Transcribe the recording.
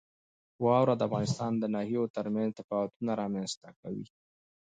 واوره د افغانستان د ناحیو ترمنځ تفاوتونه رامنځته کوي.